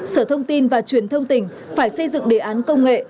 sở thông tin và truyền thông tỉnh phải xây dựng đề án công nghệ